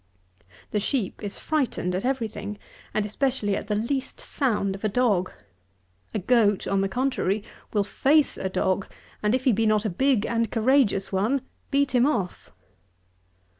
The sheep is frightened at everything, and especially at the least sound of a dog. A goat, on the contrary, will face a dog, and if he be not a big and courageous one, beat him off.